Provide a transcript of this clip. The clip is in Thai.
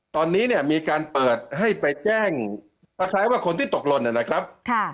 ตอนนี้เนี่ยมีการเปิดให้ไปแจ้งคล้ายว่าคนที่ตกหล่นนะครับ